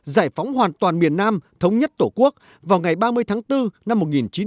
giải phóng hoàn toàn miền nam thống nhất tổ quốc vào ngày ba mươi tháng bốn năm một nghìn chín trăm bảy mươi năm